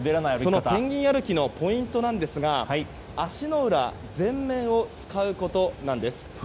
そのペンギン歩きのポイントなんですが足の裏の全面を使うことなんです。